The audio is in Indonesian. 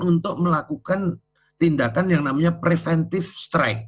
untuk melakukan tindakan yang namanya preventive strike